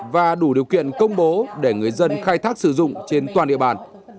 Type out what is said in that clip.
và đủ điều kiện công bố để người dân khai thác sử dụng trên toàn địa bàn